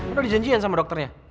udah dijanjikan sama dokternya